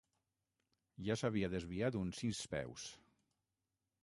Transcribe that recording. Ja s'havia desviat uns sis peus.